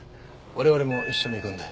我々も一緒に行くんで。